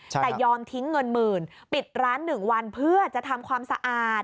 แต่ยอมทิ้งเงินหมื่นปิดร้าน๑วันเพื่อจะทำความสะอาด